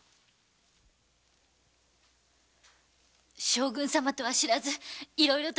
将軍様とは知らずいろいろと失礼を。